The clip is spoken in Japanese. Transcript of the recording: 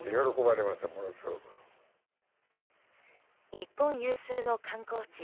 日本有数の観光地